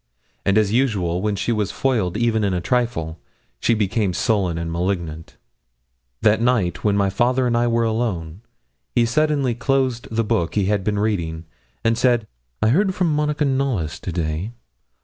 And as usual, when she was foiled even in a trifle, she became sullen and malignant. That night, when my father and I were alone, he suddenly closed the book he had been reading, and said 'I heard from Monica Knollys to day.